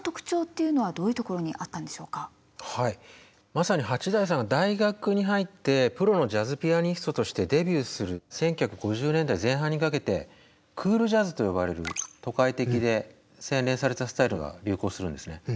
まさに八大さんが大学に入ってプロのジャズピアニストとしてデビューする１９５０年代前半にかけてクールジャズと呼ばれる都会的で洗練されたスタイルが流行するんですね。